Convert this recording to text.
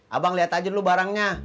abang lihat aja dulu barangnya